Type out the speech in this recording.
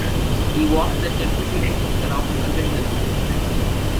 He was the Deputy Minister of Agriculture.